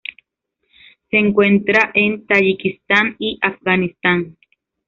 Se encuentra en Tayikistán y Afganistán.